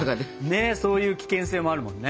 ねっそういう危険性もあるもんね。